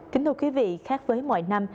kính thưa quý vị khác với mọi năm